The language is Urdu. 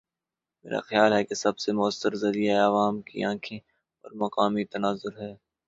میرا خیال ہے کہ سب سے موثر ذریعہ عوام کی آنکھیں اور مقامی تناظر ہے۔